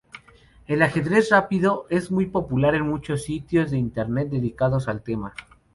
El ajedrez rápido es muy popular en muchos sitios de internet dedicados al tema.